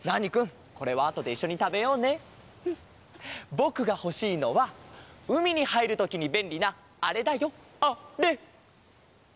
ぼくがほしいのはうみにはいるときにべんりなあれだよあれ！